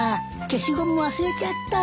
消しゴム忘れちゃった。